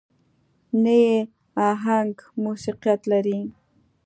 نه يې اهنګ موسيقيت لري.